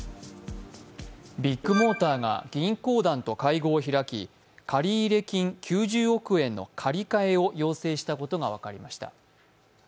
ビッグモーターが銀行団と会合を開き、借入金９０億円の借り換えを要請したことが分かりました。